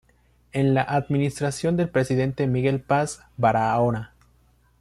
En la administración del Presidente Miguel Paz Barahona.